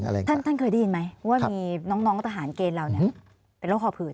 ท่านเคยได้ยินไหมว่ามีน้องทหารเกณฑ์เราเป็นโรคขอผืด